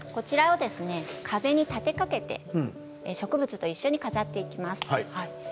壁に立てかけて、植物と一緒に使っていきます。